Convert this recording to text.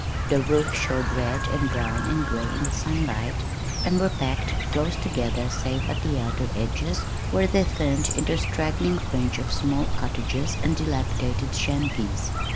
The roofs showed red and brown and gray in the sunlight, and were packed close together save at the outer edges, where they thinned into a straggling fringe of small cottages and dilapidated shanties.